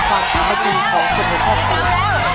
ความสามารถกินของคุณในครอบครัว